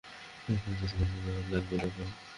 তাকে এতো সিরিয়াসলি নেওয়া লাগবে না, ভাই।